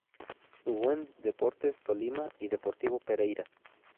Jugó en Deportes Tolima y Deportivo Pereira.